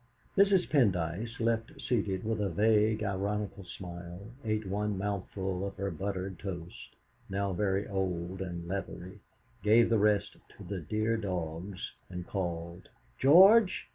Mrs. Pendyce, left seated with a vague, ironical smile, ate one mouthful of her buttered toast, now very old and leathery, gave the rest to "the dear dogs," and called: "George!